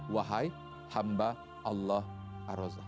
wahai hamba allah arrozak